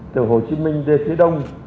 từ hồ chí minh về phía đông